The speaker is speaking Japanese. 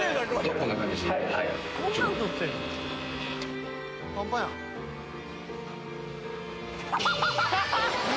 こんな感じはい